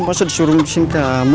masuk disuruh ngurusin kamu